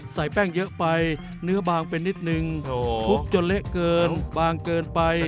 ใส่แป้งเยอะไปเนื้อบางไปนิดนึงคลุกจนเละเกินบางเกินไป